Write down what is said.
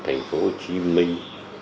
thành phố hồ chí minh